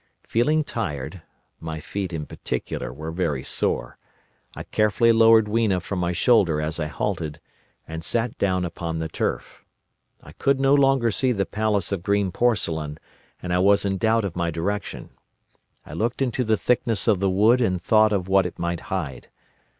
Feeling tired—my feet, in particular, were very sore—I carefully lowered Weena from my shoulder as I halted, and sat down upon the turf. I could no longer see the Palace of Green Porcelain, and I was in doubt of my direction. I looked into the thickness of the wood and thought of what it might hide.